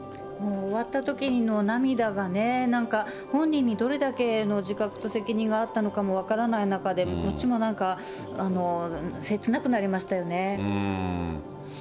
終わったときの涙がね、なんか、本人にどれだけの自覚と責任があったのかも分からない中で、こっちもなんか切なくなりましたよね。